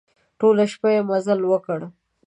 ټوله شپه يې مزل وکړ.